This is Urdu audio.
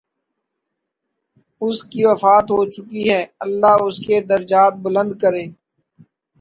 اس کی وفات ہو چکی ہے، اللہ اس کے درجات بلند کرے۔